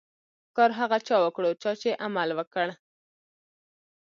کار هغه چا وکړو، چا چي عمل وکړ.